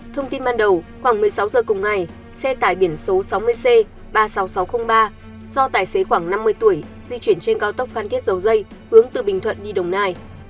thông tin ban đầu khoảng một mươi sáu giờ cùng ngày xe tải biển số sáu mươi c ba mươi sáu nghìn sáu trăm linh ba do tài xế khoảng năm mươi tuổi di chuyển trên cao tốc phan thiết dầu dây hướng từ bình thuận đi đồng nai